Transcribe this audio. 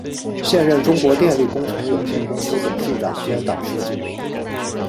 现任中国电力工程有限公司董事长兼党书记。